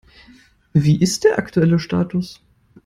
Wie ist der aktuelle Status?